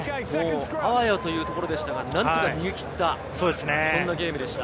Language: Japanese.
あわやというところでしたが、何とか逃げ切った、そんなゲームでした。